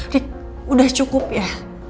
rik udah cukup ya